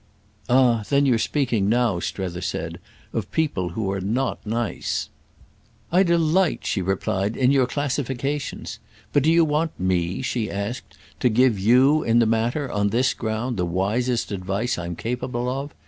"Ah then you're speaking now," Strether said, "of people who are not nice." "I delight," she replied, "in your classifications. But do you want me," she asked, "to give you in the matter, on this ground, the wisest advice I'm capable of?